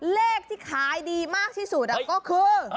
เลขที่ขายดีมากที่สุดก็คือ